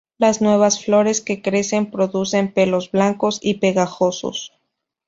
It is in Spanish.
Las nuevas flores que crecen producen pelos blancos y pegajosos.